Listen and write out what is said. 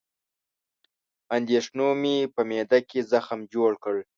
اندېښنو مې په معده کې زخم جوړ کړ